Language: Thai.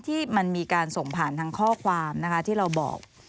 ที่มันมีการส่งผ่านทางข้อความนะคะที่เราบอก